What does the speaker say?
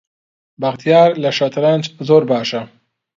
بەختیار لە شەترەنج زۆر باشە.